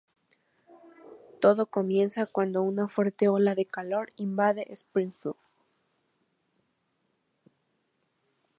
Todo comienza cuando una fuerte ola de calor invade Springfield.